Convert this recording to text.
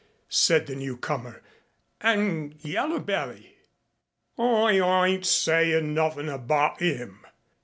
said the newcomer. "And Yaller belly ?" "I ayn't sayin' nothin' abaht 'im.